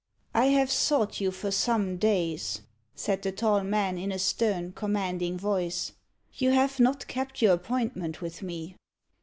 "I have sought you for some days," said the tall man, in a stern, commanding voice. "You have not kept your appointment with me."